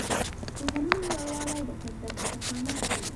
د غرونو لوړوالی د قدرت استقامت ښيي.